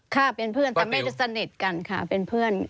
ค่ะเป็นเพื่อนแต่ไม่ได้สนิทกันค่ะเป็นเพื่อน